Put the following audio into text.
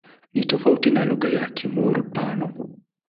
Ni tofauti na lugha ya Kimur-Pano.